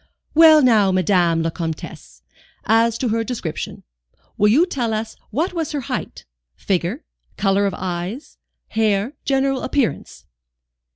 "Well, now, Madame la Comtesse, as to her description. Will you tell us what was her height, figure, colour of eyes, hair, general appearance?"